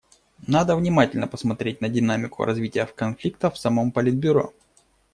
Надо внимательно посмотреть на динамику развития конфликта в самом Политбюро.